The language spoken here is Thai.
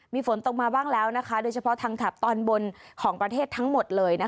มีฝนตกมาบ้างแล้วโดยเฉพาะทางแถบตอนบนของประเทศทั้งหมดเลย